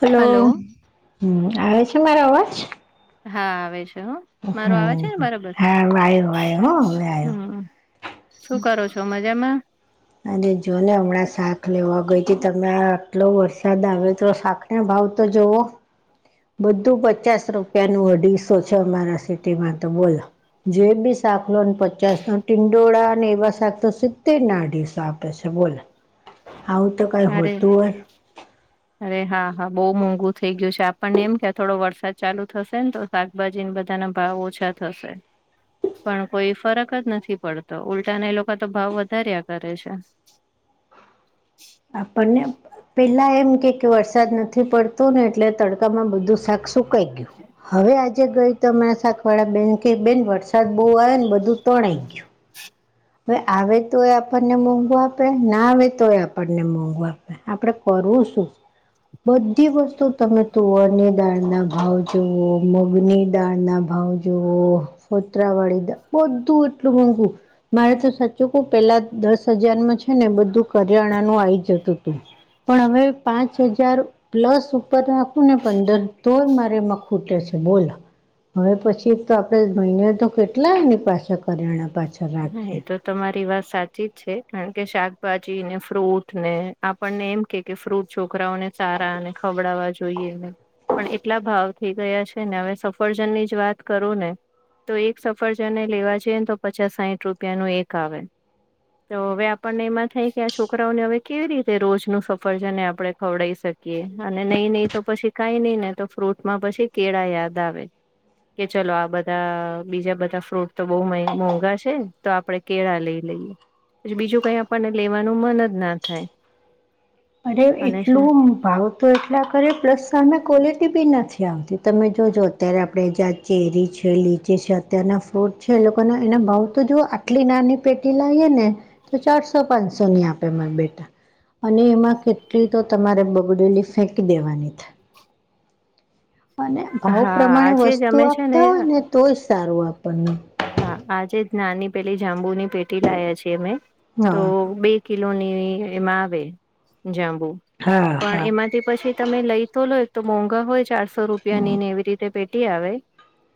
Hello આવે છે મારો અવાજ હા આવે છે મારો હમ આવે છે ને હા બરાબર આવ આવ્યો હ હવે આવ્યો હમ શું કરો છો મજામાં અને જો ને હમણાં શાક લેવા ગઈથી તમે આટલો વરસાદ આવે તો શાક એ ભાવ તો જો બધું પચાસ રૂપિયા નું અઢીસો છે અમારા સિટીમાં તો બોલો જે બી શાક લોને પચાસ તો ટિંડોળા અને એવા શાક તો સીધે નાડીીશ આપશે બોલ આવું તો કઈ અરે હોતું અરે હા હા બહુ મોંઘુ થઇ ગયું છે આપણને એમ કે થોડો વરસાદ ચાલુ થશે ને તો શાકભાજી બધાના ભાવ ઓછા થશે પણ કોઈ ફરક જ નથી પડતો ઉલ્ટાના એ લોકો તો ભાવ વધાર્યા કરે છે આપણને પેલા એમ કે વરસાદ નથી પડતો ને એટલે તડકામાં બધું સાકસું કયું હવે આજ આજ ગઈ તો અરા સા વાળા બેન કે બેન વરસાદ બહુ આવ્યો ને બધું ત્રણ ઈ ગયું ભાઈ આવે તો એ આપણને મોંઘવા આપે ના આવે તો એ આપણને મોંઘું આપે આપડે કરવું શું બધી વસ્તુ તમે તુવરની દાળના ભાવ જુવઓ મગની દાળના ભાવ જો ફોત્રરાવાડીી બધું એટલું મોંઘું મારે તો સાચું કહ પેલા દસ હજારમાં છે ને બધું કરિયાણાનુંું આવી જતું હતું પણ હવે પાંચ હજાર પ્લસ ઉપર રાખું ને પંદર તોય મારેમાં ખૂટે છે બોલો હવે પછી તો આપડે મહિને તો કેટલાય એની પાછા કરિયાણા પાછા રાખીએ હા એ તો તમારી વાત સાચી જ છે હ કે શાકભાજી ને ફ્રૂટ ને આપણને એમ કે કે ફ્રૂટ છોકરાઓને સારા અને ખવડાવવા જોઈએ પણ એટલા ભાવ ઈ ગયા છે ને હવે સફરજન ની જ વાત કરું ને તો એક સફરજનને લેવા જએ ને તો પચાસ સાહીઠ રૂપિયાનું એક આવે તો હવે આપણને એમાં થાય કે આ છોકરાઓને હવે કેવી રીતે રોજ નું સફર છે ને આપણે ખવડાઈ શકીએ અને નહી નહીિ તો પછી કાઈ નહીિ નને તો ફ્રૂટમાં પછી કેળા યાદ આવે કે ચલો આ બધા બીજા બધા ફ્રૂટ તો બઉ મોંઘા છે તો આપણે કેળા લઈ લઈએ પછી બીજું કઈ આપણને લેવાનું મન જ ના થાય અરે અને એટલું ભાવ તો એટલા કરરે પ્લસ સામે ક્વોલિટી બી નથી આવતી તમે જોજો અત્યારે આપણે જા ચેરી છે લીચે છે અત્યારના ફૂટ છે એ લોકોને એને ભાવ તો જો આટલી નાની પેટી લાવએ ને તો ચારસો પાંચસો ની આપેરા બેટા અને એમાં કેટલી તો તમારે બગડેલી ફેંકી દેવાની છે અને ભાવ હા પ્રમાણે આજે જ વસ્તુ અમે છે આપતા હોય ને તો જ સારું આપણનું હા આજે જ નાની પેલી જાંબુની પેટી લાયા છીએ અમે તો હા બે કિલોની એમાં આવે જાંબુ હા પણ હા એમાંથી પછી તમે લઈ તો લો એક તો મોંઘા હોય ચારસો રૂપિયાની ને એવી રીતે પેટી આવે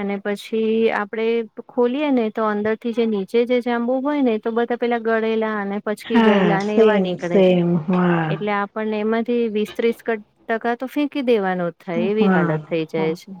અને પછી આપડે ખોલીએ ને તો અંદર થી જે નીચે જે જાંબુ હોય ને તો બધા પેલા ગળેલાને પછકી હા ગયેલા અને એવા સેમ નીકળે સેમ હા એટલે પણ એમાંથી વીસ ત્રીસ ટકા તો ફેંકી દેવાનું જ થાય એવી હા હાલત થઈ હા જાય છે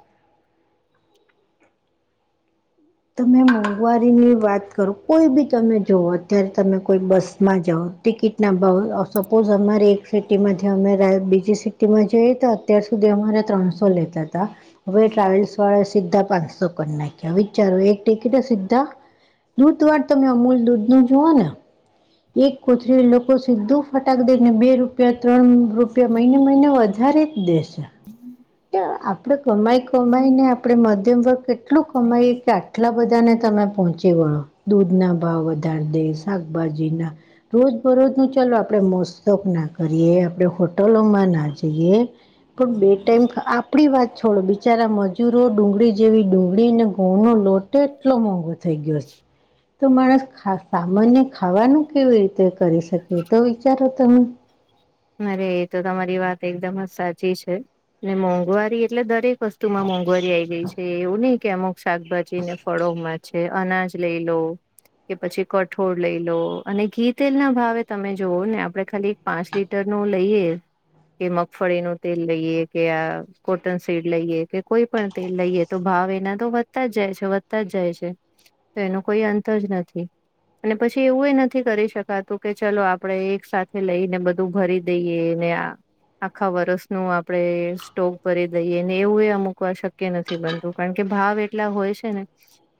તમે મોંઘવારીની વાત કરો કોઈ બી તમે જઓ અત્યારે તમે કોઈ બસમાં જાઓ ટિકિટના ભાવ સપોઝ અમારી એક સિટીમાં જે અમે બીજી સિટીમાં જઈએતા અત્યાર સુધી અમારે ત્રણસો લેતા હતા હવે ટ્રાવેલ્સ વાળાએ સીધા પાંચસો કરી નાખ્યા વિ વિચારો એક ટટેિટ સીધા દૂધ વાર તમે અમૂલ દૂધ નું જુઓ ને એક કોથરી લોકો સીધું ફટાક દઈને બે રૂપિયા ત્રણ રૂપિયા મહિને મહિને વધારે જ દેશે આપણેે કમાઈ કમાઈને આપણે મધ્યમ વર્ગ એટલું કમાઈએ કે આટલા બધાને તમે પહોંચે વળો દૂધ ના ભાવ વધાર દે શાકભાજી ના રોજ બરોજ ન ચાલ આપણે મસ્તક ના કરીએ આપણે હોટલોમાં ના જઈએ પણ બે ટાઈમ આપડી વાત છોડો બિચારા મજૂરો ડુંગળી જેવી ડુંગળી ને ઘઉંો પ્લોટ એટલો મોંઘો થઈ ગયો છે તો માણસ સામાન્ય ખાવાનું કેવી રીતે કરી શકીએ તો વિચારો તમે અરે એ તો તમારી વાત એકદમ જ સાચી છે મોંઘવારી એટલે દરેક વસ્તુ માં મોંઘવારી આ આવી ગઈ છે એવું નહિ કે અમ શાકભાજી ને ફળોમાં છે અનાજ લઈ લોઉ કે પછી કઠોળ લઈ લો અને ઘી તેલ ના ભાવે તમે જોવઓ ને આપડે ખાલી પાંચ લીટ ટર નું લઈએ કે મગફળી નું તેલ લઈએ કે આ કોટન સીડ લઈએ કે કોઈ પણ તેલ લઈએ તો ભાવ એના તો વધતા જ જાય છે વધતા જ જાય છે તો એનો કોઈ અંત જ નથી અને પછી એવુંય નથી કરી શકાતું કે ચલો આપડણે એક સાથે લઈને બધું તું ભરી દઈએ ને આ આખા વરસ ન આપડણે સ્ટોક ભરી દઈએ ને એવું એ અમૂકવા શક્ય નથી નથી બનતું કારણ કે ભાવ એટલા હોય છે ને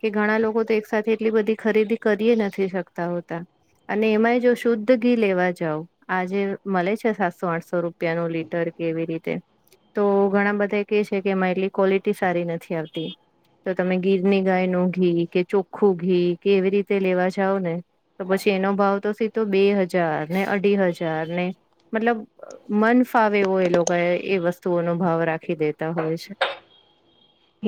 કે ઘણા લોકો તો એક સાથે એટલી બધી ખરીદી કરીય નથી શકતા હોતા અને એમાંય જો શુદ્ધ ઘી લેવા જાવ જે મળે છે સાતસો આઠસો રૂપિયા ન લીટર કે એવી રીતે તો ઘણા બધા કે છે કેમાં એટલી ક્વોલિટી સારી નથી આવતી તો તમે ગીરની ગાય નું ઘી કે ચોખ્ખું ઘી કે એવી રીતે લેવા જાઓ ને તો પછી એનો ભાવ તો સીધો બે હજાર ને અઢી હજાર ને મતલબ મન ફાવેવો એ લોકો એ વસ્તુઓનો ભાવ રાખી દેતા હોય છે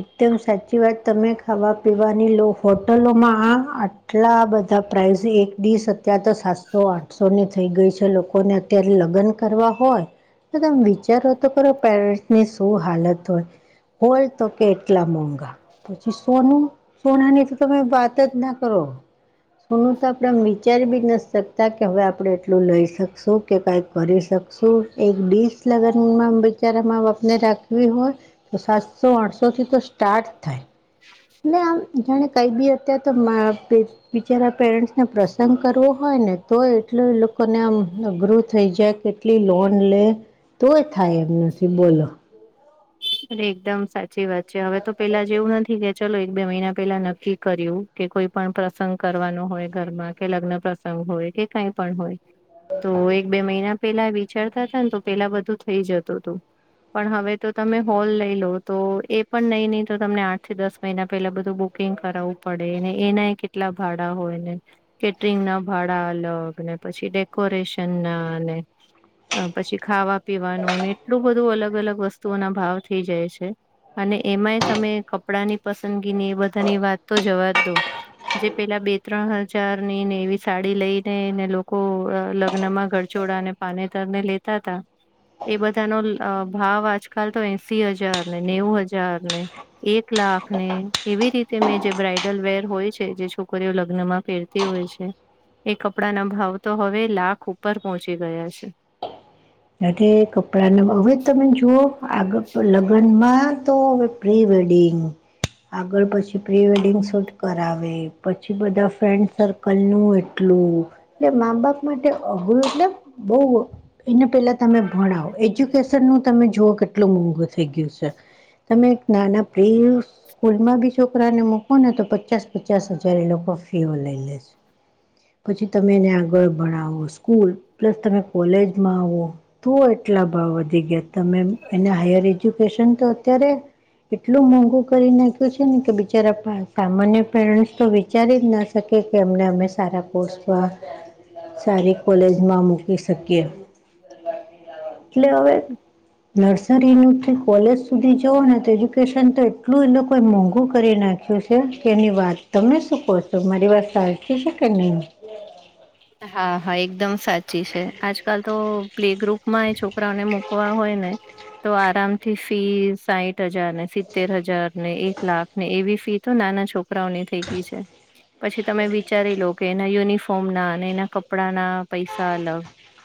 એકદમ સાચી વાત તમે ખાવા પીવાની લો હોટલોમાં આ આટલા બધા પ્રાઇઝ એક ડીસ અત્યારે તો સાતસો આઠસો ની થઈ ગઈ છે લોકોને અત્યારે લગ્ન કરવા હોય તમે વિચારો તો કરો પેરેન્ટ્સ ની શું હાલત હોય હોલ તો કેટલા મોંઘા પછી સોનું સોના ની તો તમે વાત જ ના કરો શોનુંું તો આપણે વિચારી બી ન શકતા કે હવે આપણે એટલું લઈ શકશું કે કાંઈ કરી શકશું એક ડીશ લગ્નમાં બચારામાં આપપને રાખવી હોય. તો સાતસો આઠસો થી તો સ્ટાર્ટ થાય આમ જાણે કઈ બી અત્યારે તો બિચારા પેરેન્ટ્સને પ્રસંગ કરવો હોય ને તો એટલ એ લોકોને આમ અઘરું થઈ જાય કે એટલી લોન લે તોય થાય એમ નથી બોલો એકદમ સાચી વાત છે હવે તો પેલા જેવું નથી કે ચાલલો એક બે મહિના પેલા નક્કી કર્યું કે કોઈ પણ પ્રસંગ કરવાનો હોય ઘરમાં કે લગ્ન પ્રસ સંગ હોય કે કઈ પણ હોય તો એક બે મહિના પેલા વિચારતા હતા ને તો પેલા બધું થઈ જતું હતું પણ હવે તો તમે હોલ લઈ લો તો એ પણ નહી નહી તો તમને આઠ થી દસ મહિના પેલા બધું બુક કુકિંગ કરાવવું પડેને એના કેટલા ભાડા હોયને કેટરિંગ ના ભાડા અલગને પછી ડેકોરેશન ના અને પછી ખાવા પીવાનું ને એટલું બધું અલગ અલગ વસ્તુઓ ના ભાવ થઈ જાય છે. અને એમાંય તમે કપડાં ની પસંદગીની એ બધાની વાત તો જવાબ દો જે પેલા બે ત્રણ હજાર ની ને એવી સાડી લઈ ને ને લોકો લગ્ન માં ઘ ચોડા ને પાનેતર ને લેતા હતા એ બધા નો ભાવ આજ કાલ તો એશ હજાર ને નેવું હજાર ને એક લાખ ને એવી રીતે મેં જે બ્રાઈડલ વેર હોય છે જે છોકરીઓ લગ્નમાં પહેરતી તે હોય છે એ કપડાના ભાવ તો હવે લાખ ઉપર પહોંચી ગયા છે ત કપડાના હવે તમે જુઓ આગ લગ્નમાં તો પ્રીવેેડિંગ આગળ પછી પ્રી વેડિંગ શૂટ કરાવે પછી બધા ફ્રેન્ડક કલું એટલું એટલે મામબપ માટે અઘરું એટલે બહુ એને પેલા તમે ભણાવો એજ્યુકેશન નું તમે જોવ કેટલું મોંઘું થઈ ગયું છે તમે એક નાના પ્રિયુશ સ્કૂલમાં બી છોકરાને મકો ને તો પચાસ પચાસ હજાર એ લોકો ફી ઓ લઈ લે છે પછી તમે એને આગળ ભણાવો સ્કૂલ પ્લસ તમે કોલેજમાં આવો તું એટલા ભાવ વધી ગયા તમે એને હાયર એજ્યુકેશન તો અત્યારે એટલું મોંઘું કરી નાખ્યું છે ને કે બિચારા સામાન્ય પેરેન્ટ્સ તો વિચારી જ ના શકી કે અમને અમે સારા પોસ્ટમાં સારી કોલેજમાં મૂકી શકીએ એટલે હવે નર્સ એનુંથી કોલેજ સુધી જવ ને તો એજ્યુકેશન તો એટલું એ લોકોએ મોંઘું કરી નાખીયુ શું છે કે એની વાત તમે શું કહો છો મારી વાત સાારી શ કે નહીં હા હા એકદમ સાચી છે આજકાલ તો પ્લે ગ્રુપમાં એ છોકરાઓને મુકવા હોય ને તો આરામથી ફી સાહીઠ હજાર ને સિત્તેર હજાર ને એક લાખને એવી ફી તો નાના છોકરી રા થઈ ગઈ છે પછી તમે વિચારી લો કે એના યુનિફોર્મ ના અને એના કપડા ના પૈસા અલગ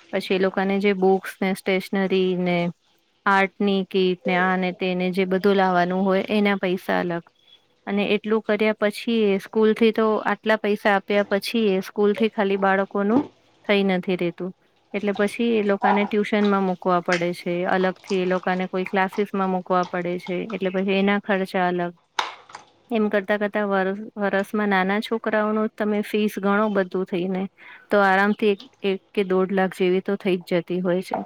પછી એ લોકોને જે બુક્સ ને સ્ટેશનરી ને આર્ટ ની કીટ અને તેને જે બધું લાવવાનું હોય એના પૈસા અલગ અને એટલું કર્યા પછી એ સ્કૂલ થી તો આટલા પૈસા આપ્યા પછી એ સ્કૂલ થી ખાલી બાળકોનું થઈ નથી રેતું એટલે પછી એ લોકોને ટ્યુશનમાં મુૂકવા પડે છે અલગ થી એ લોકોને કોઈ ક્લાસીસ માં મુકવા પડે છે એટલે પછી એના ખર્ચા અલગ એમ કરતા કરતા વ વરસમાં નાના છોકરાઓ ન તમે ફીસ ઘણો બધું. થઈને તો આરામથી એક કે દોઢ લાખ જેવી તો થઈ જ જતી હોય છે.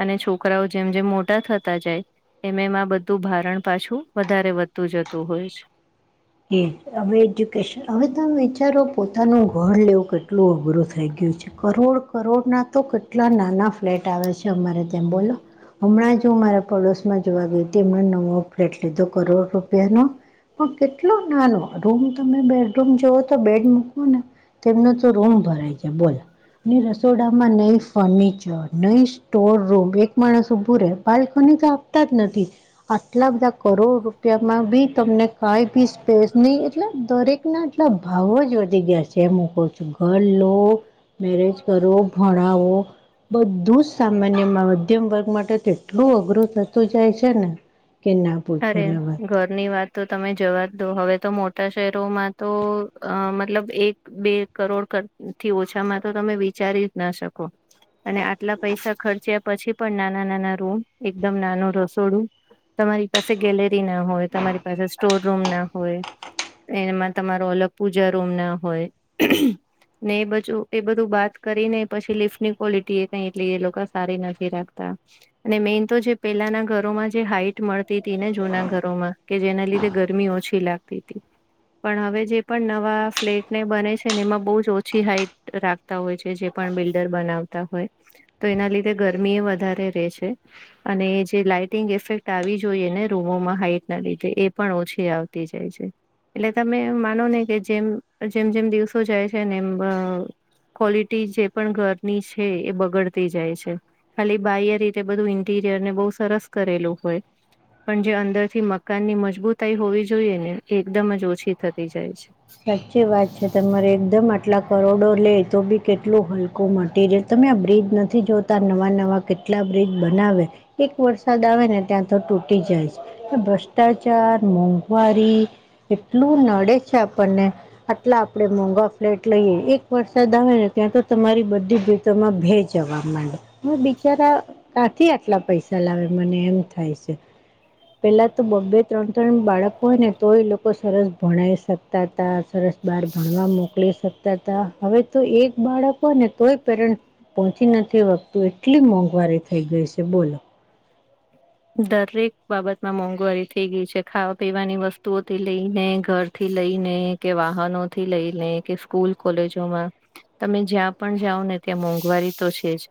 અને છોકરાઓ જેમ જેમ મોટા થતા જાય એમ એમાં બધું ભારણ પાછું વધારે વધતું જતું હોય છે. એ હવે એજ્યુકેશન હવે તમે વિચારો પોતાનું ઘર લેવું કેટલું અઘરું થઈ ગયું છે. કરોડ કરોડ ના તો કેટલા નાના ફ્લેટ આવે છે અમારે ત્યાં બોલો. હમણાં જ હું મારા પડોશમાં જોવા ગઈ હતી હમણેં નવો ફ્લેટ લીધો કરોડ રૂપિયાનો પણ કેટલો નાનો રૂમ તમે બેડરૂમ જોવો તો બેડ મૂકવો ને તેમનો તો રૂમ ભરાય છે બોલ. ની રસોડામાં નઈ ફર્નિચર ન સ્ટોર રૂમ એક માણસ ઊભું રહેે બાલ્કની ન તો આપ તક નથી આટલા બધા કરોડ રૂપિયામાં બી તમને કઈ બી સ્પેસ નહી એટલે દરેક ના એટલા ભાવ જ વધી ગયા છે એ મુ કો છું. ઘર લો મેરેજ કરો ભણાવો. બધું જ સામાન્યમાં મધ્યમ વર્ગ માટે તો એટલું અઘરું થતું જાય છે ને કે ના પૂછો તારે ને વાત ઘરની વાત. તો તમે જવાજ દો હવે તો મોટા શહેરોમાં તો અ મતલબ એક બે કરોડ થી ઓછામાં તો તમે વિચારી જ ના શકો અને આટલા પૈસા ખર્ચ્યા પછી પણ નાના નાના રૂમ એકદમ નાનું રસોડું તમારી પાસે ગેલેરી ના હોય તમારી પાસે સ્ટોર રૂમ ના હોય એમાં તમારો અલગ પૂજા રૂમ ના હોય. ને એ બજુ એ બધું બાત કરી ને પછી લિફટ ની ક્વોલિટી એ કઈ એટલી એ લોકો સારી નથી રાખતા. અને મેન તો જે પેલાના ઘરોમાં જે હાઈટ મળ. તી ને જૂના ઘરોમાં કે જેના લીધે ગરમી ઓછી લાગતી તી પણ હવે જે પણ નવા ફ્લેટને બને છે ને એમાં બહુ જ ઓછી હાઈટ રાખ હોય છે જે પણ બિલ્ડર બનાવતા હોય તો એના લીધે ગરમી એ વધારે રે છે અને જે લાઈટિંગ ઇફેક્ટ આવી જ જોઈએ ને રૂમોમાં હાઈટ ના લીધે એ પણ ઓછી આવતી જાય છે. એટલે તમે માનો ને કે જેમ જેમ જેમ દિવસો જાય છે ને એમ‌ અ ક્વોલિટી જે પણ ઘરની છે એ બગડતી જાય છે. ખાલી બાહ્ય રીતે બધું ઇન્ટીરિયર ને બહુ સરસ કરેલું હોય. પણ જે અંદરથી મકાન ની મજબૂતાઈ હોવી જોઈએ ને એ એકદમ જ ઓછી થતી જાય છે. સાચી વાત છે તમારે એકદમ આટલા કરોડો લે તો બી કેટલું હલકું મટીરીયલ. તમે આ બ્રિજ નથી જોતા નવા નવા કેટલા બ્રિજ બનાવે. એક વરસાદ આવે ને ત્યાં તો તૂટી જાય છે. ભ્રષ્ટાચાર મોંઘવારી એટલું નડે છે આપણને આટલા આપડે મોંઘા ફ્લેટ લઈએ એક વરસાદ આવે ને ત્યાં તો તમારી બધી તોમાં ભે જવા માંડે હ બિચારા કાંથી આટલા પૈસા લાવે મને એમ થાય છે. પેલા તો બે ત્રણ ત્રણ બાળકો હોય ને તો એ લોકો સરસ ભણાય શકે્ તા ત સરસ બાર ભણવા મોકલે શક હવે તો એક બાળકો હોયને તોય પેરન્ટ પહોંચી નથી વખતું એટલી મોંઘવારી થઈ ગઈ છે બોલો દરેક બાબતમાં મોંઘવારી થઈ ગઈ છે ખાવા પીવાની વસ્તુઓથી લઈને ઘર થી લઈને કે વાહનો થી લઈને કે સ્કૂલ કોલેજોમાં તમે જ્યાં પણ જાઓ ને ત્યાં મોંઘવારી તો છે જ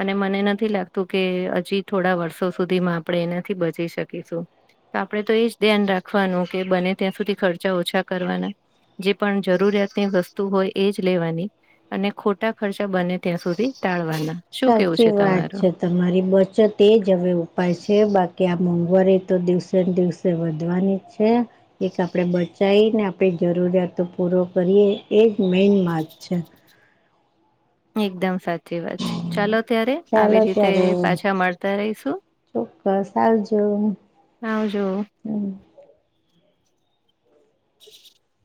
અને મને નથી લાગતું કે હજી થોડા વર્ષો સુધી મા આપણે એનાથી બચી શકીશું. તો આપણેે તો એજ ધ્યાન રાખવાનું કે બને ત્યાં સુધી ખર્ચા ઓછા કરવાના. જે પણ જરૂરિયાતની વસ્તુ હોય એ જ લેવાની. અને ખોટા ખર્ચા બને ત્યાં સુધી ટાળવાના શું કેવું સાચી છે વાત તમારું છે તમારી બચત એ જ હવે ઉપાય છે બાકી આ મોંઘ વરી તો દિવસે ને દિવસે વધવાની છે. એક આપણેે બચાવી ને આપણી જરૂરિયાતો પૂરો કરીએ એ જ મેન માર્ગ છે એકદમ સાચી વાત છે ચાલો ત્યારે ચાલો આવી રીતે ત્યારે પાછા મળતા રહીશું ચોક્કસ આવજ હાજો હમ [unintelligible]